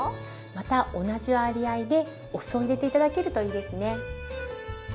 また同じ割合でお酢を入れて頂けるといいですね。